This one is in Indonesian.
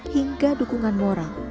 hingga dukungan moral